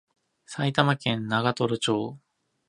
埼玉県長瀞町